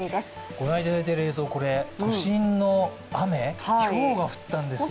ご覧いただいている映像、都心の雨、ひょうが降ったんですよ